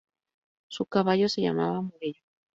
Su caballo se llamaba Morello.